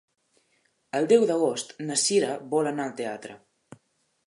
El deu d'agost na Sira vol anar al teatre.